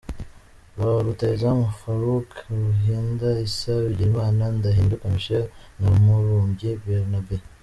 Ba rutahizamu: Farouk Ruhinda, Issa Bigirimana, Ndahinduka Michel na Mubumbyi Bernabeu.